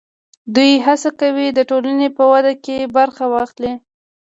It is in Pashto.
دوی هڅه کوي د ټولنې په وده کې برخه واخلي.